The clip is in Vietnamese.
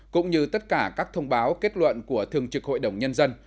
cũng như tất cả các thông báo kết luận của thường trực hội đồng nhân dân